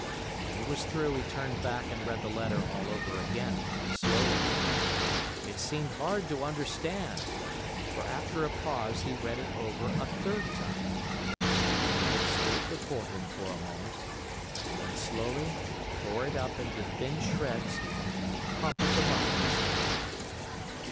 When he was through he turned back and read the letter all over again, slowly. It seemed hard to understand; for after a pause he read it over a third time. Then he looked straight before him for a moment, and then slowly tore it up into thin shreds and crumpled them up in his hand.